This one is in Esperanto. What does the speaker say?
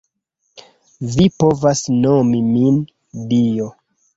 Vi povas nomi min, Dio.